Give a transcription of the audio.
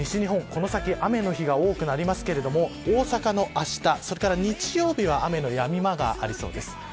この後、雨の日が多くなりますが、大阪のあしたそれから日曜日は雨の、やみ間がありそうです。